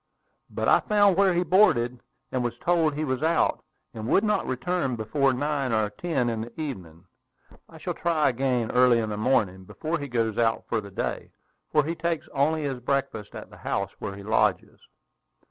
"But I found where he boarded; and was told he was out, and would not return before nine or ten in the evening. I shall try again early in the morning, before he goes out for the day, for he takes only his breakfast at the house where he lodges."